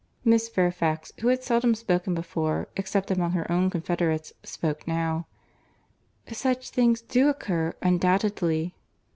Miss Fairfax, who had seldom spoken before, except among her own confederates, spoke now. "Such things do occur, undoubtedly."